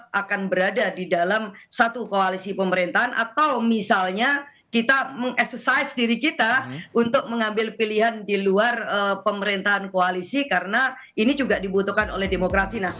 kita akan berada di dalam satu koalisi pemerintahan atau misalnya kita mengexercise diri kita untuk mengambil pilihan di luar pemerintahan koalisi karena ini juga dibutuhkan oleh demokrasi